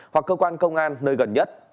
hoặc cơ quan công an nơi gần nhất